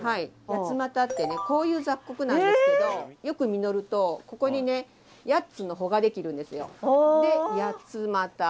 やつまたってねこういう雑穀なんですけどよく実るとここにね８つの穂が出来るんですよ。でやつまた。